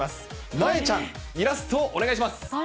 なえちゃん、イラストをお願いします。